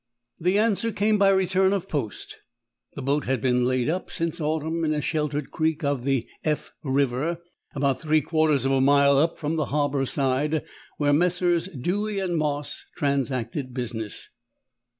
The answer came by return of post. The boat had been laid up since the autumn in a sheltered creek of the F River, about three quarters of a mile up from the harbour side, where Messrs. Dewy and Moss transacted business.